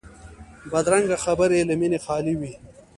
بدرنګه خبرې له مینې خالي وي